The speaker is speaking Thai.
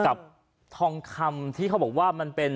กับทองคำที่เขาบอกว่ามันเป็น